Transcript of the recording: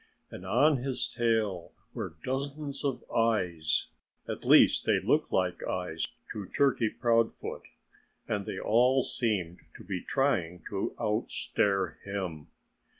And on his tail were dozens of eyes. At least they looked like eyes to Turkey Proudfoot. And they all seemed to be trying to out stare him.